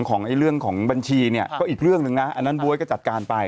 ของเรื่องของบัญชีเนี่ยก็อีกเรื่องหนึ่งนะอันนั้นบ๊วยก็จัดการไป